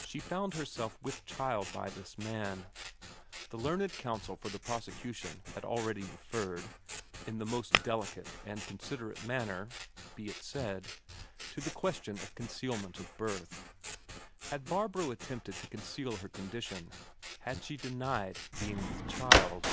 She found herself with child by this man. The learned counsel for the prosecution had already referred in the most delicate and considerate manner, be it said to the question of concealment of birth. Had Barbro attempted to conceal her condition; had she denied being with child?